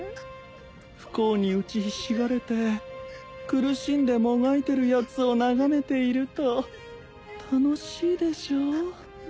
不幸にうちひしがれて苦しんでもがいてるやつを眺めていると楽しいでしょう